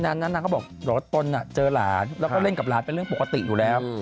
นางนั้นนางก็บอกว่าตนเจอหลานแล้วก็เล่นกับหลานเป็นเรื่องปกติอยู่แล้ว